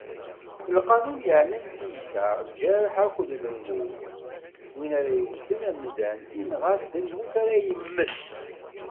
Lqanun yeɛnan tiyita, lǧerḥ akked lmut, win ara yewten amdan, inɣa-t, d lmut ara yemmet.